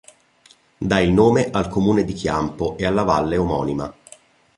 Dà il nome al comune di Chiampo e alla valle omonima.